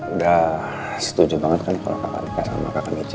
udah setuju banget kan kalau kakak dekat sama kakak meja